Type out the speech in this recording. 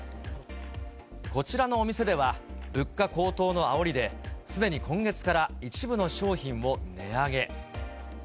こちらのお店では、物価高騰のあおりで、すでに今月から一部の商品を値上げ。